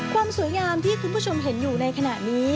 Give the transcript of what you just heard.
ความสวยงามที่คุณผู้ชมเห็นอยู่ในขณะนี้